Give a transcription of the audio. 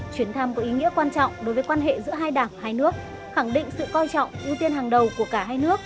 chuyến thăm có ý nghĩa quan trọng đối với quan hệ giữa hai đảng hai nước khẳng định sự coi trọng ưu tiên hàng đầu của cả hai nước